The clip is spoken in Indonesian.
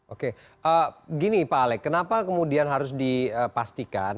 oke gini pak alex kenapa kemudian harus dipastikan